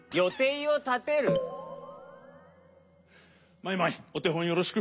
マイマイおてほんよろしく。